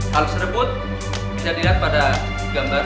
hal seribu tidak dilihat pada gambar